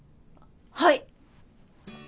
はい！